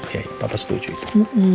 iya papa setuju itu